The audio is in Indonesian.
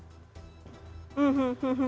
jadi kita akan lihat